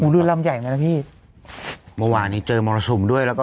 มึงเลือดลำใหญ่ไหมพี่เมื่อวานนี้เจอมองระฉุมด้วยแล้วก็